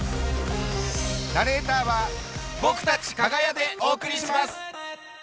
ナレーターは僕たちかが屋でお送りします！